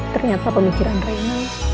ternyata pemikiran reina